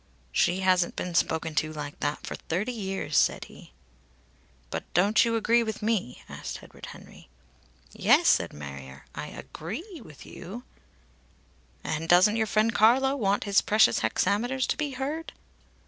"She hasn't been spoken to like that for thirty years," said he. "But don't you agree with me?" asked Edward Henry. "Yes," said Marrier, "I agree with you " "And doesn't your friend Carlo want his precious hexameters to be heard?"